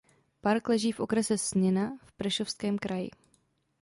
Park leží v okrese Snina v Prešovském kraji.